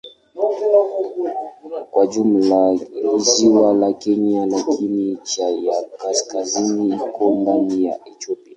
Kwa jumla ni ziwa la Kenya lakini ncha ya kaskazini iko ndani ya Ethiopia.